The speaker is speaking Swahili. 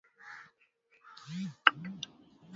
damu au kugeuka rangi ya manjano